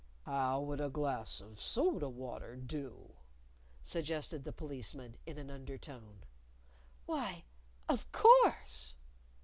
"How would a glass of soda water do?" suggested the Policeman, in an undertone. "Why, of _course!